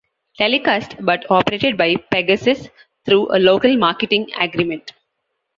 Telecast but operated by Pegasus through a local marketing agreement.